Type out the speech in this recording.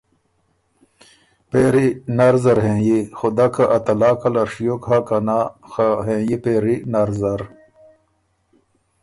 پېری نر نر هېنیی خدَۀ که ا طلاقه له ڒیوک هۀ که نا، خه هېنيی پېری نر زر۔